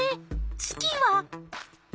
月は？